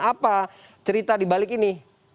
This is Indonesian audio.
apa cerita di balik ini